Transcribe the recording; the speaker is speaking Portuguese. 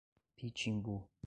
Pitimbu